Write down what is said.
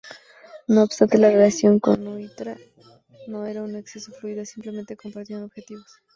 No obstante la relación con Nnoitra no era en exceso fluida, simplemente compartían objetivos.